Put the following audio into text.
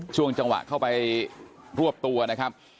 ช่วงจังหวะเข้าไปรวบตัวนะครับ